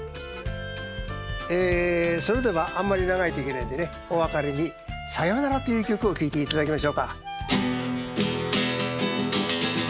ええそれではあんまり長いといけないんでねお別れに「さよなら」っていう曲を聴いていただきましょうか。